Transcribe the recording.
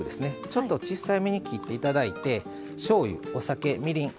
ちょっと小さめに切って頂いてしょうゆお酒みりん